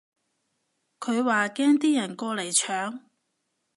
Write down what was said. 佢話驚啲人過嚟搶